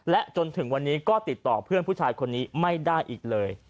และจนถึงวันนี้ก็ติดต่อเพื่อนผู้ชายคนนี้ไม่ได้อีกเลย